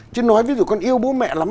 chứ nói ví dụ con yêu bố mẹ lắm